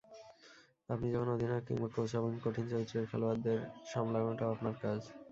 আপনি যখন অধিনায়ক কিংবা কোচ হবেন, কঠিন চরিত্রের খেলোয়াড়দের সামলানোটাও আপনার কাজ।